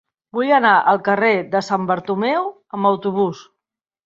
Vull anar al carrer de Sant Bartomeu amb autobús.